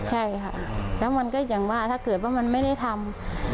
ใช่ค่ะแล้วมันก็อย่างว่าถ้าเกิดว่ามันไม่ได้ทำ